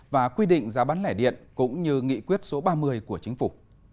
và quy định giá bán lẻ điện cũng như nghị quyết số ba mươi của chính phủ